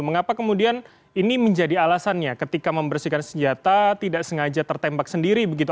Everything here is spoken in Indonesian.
mengapa kemudian ini menjadi alasannya ketika membersihkan senjata tidak sengaja tertembak sendiri begitu